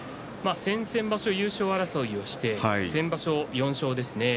先々場所、優勝争いをして先場所４勝ですね。